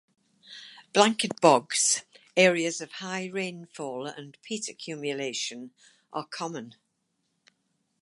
Blanket bogs (areas of high rainfall and peat accumulation) are common.